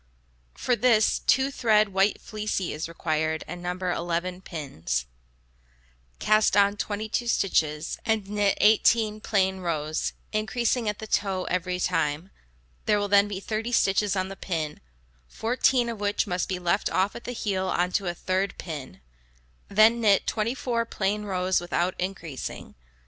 For this, two thread white fleecy is required, and No. 11 pins. Cast on 22 stitches, and knit 18 plain rows, increasing at the toe every time; there will then be 30 stitches on the pin, 14 of which must be let off at the heel on to a third pin; then knit 24 plain rows without increasing.